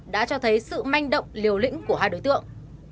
đã cho thấy sự manh động liều lĩnh của hai đối tượng